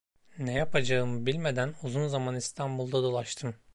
Ne yapacağımı bilmeden uzun zaman İstanbul'da dolaştım.